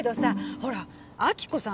ほら亜希子さん